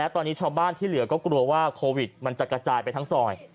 ตอนนี้ชาวบ้านที่เหลือก็กลัวว่าโควิดมันจะกระจายไปทั้งซอย